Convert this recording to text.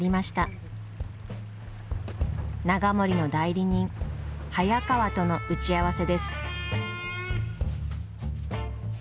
永守の代理人早川との打ち合わせです。